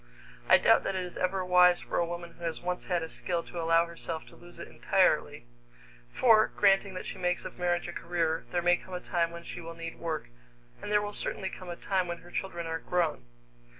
I doubt that it is ever wise for a woman who has once had a skill to allow herself to lose it entirely, for, granting that she makes of marriage a career, there may come a time when she will need work, and there will certainly come a time when her children are grown.